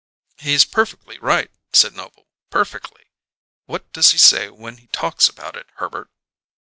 "He's perfectly right," said Noble. "Perfectly! What does he say when he talks about it, Herbert?"